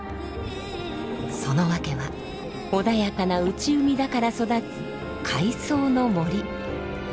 その訳は穏やかな内海だから育つ海藻の森。